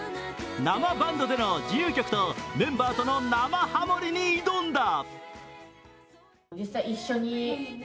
生バンドでの自由曲とメンバーとの生ハモりに挑んだ。